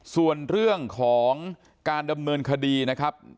ส่วนเรื่องของการดำเนินคดีนะครับ